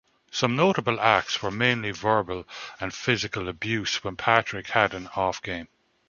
Some notable acts were mainly verbal and physical abuse when Patrick had an off-game.